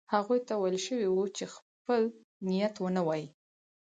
هغوی ته ویل شوي وو چې خپل نیت ونه وايي.